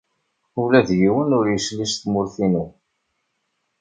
Ula d yiwen ur yesli s tmurt-inu.